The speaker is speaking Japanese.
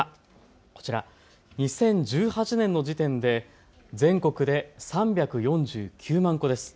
こちら２０１８年の時点で全国で３４９万戸です。